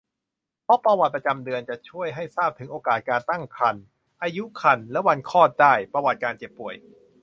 เพราะประวัติประจำเดือนจะช่วยให้ทราบถึงโอกาสการตั้งครรภ์ อายุครรภ์ และวันคลอดได้ ประวัติการเจ็บป่วย